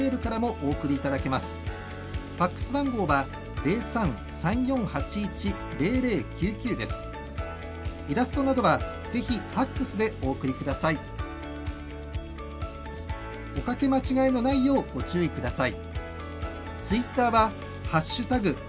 おかけ間違いのないようご注意ください。